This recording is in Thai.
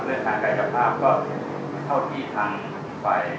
เรื่องกายภาพก็เท่าที่ทางไป